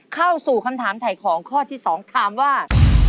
เข้าสู่คำถามถ่ายของข้อที่๒ถามว่า